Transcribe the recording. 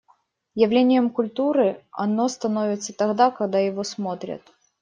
Явлением культуры оно становится тогда, когда его смотрят.